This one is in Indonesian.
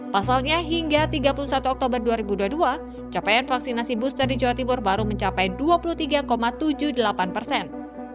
pasalnya hingga tiga puluh satu oktober dua ribu dua puluh dua capaian vaksinasi booster di jawa timur baru mencapai dua puluh tiga tujuh puluh delapan persen